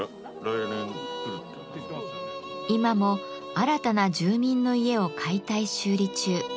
今も新たな住民の家を解体修理中。